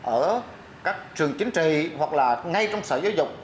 ở các trường chính trị hoặc là ngay trong sở giáo dục